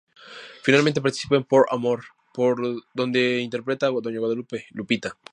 Finalmente participa en "Por amor", donde interpreta a Doña Guadalupe "Lupita".